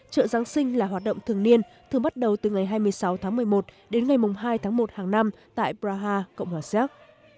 chợ giáng sinh là hoạt động thường niên thường bắt đầu từ ngày hai mươi sáu tháng một mươi một đến ngày hai tháng một hàng năm tại praha cộng hòa xéc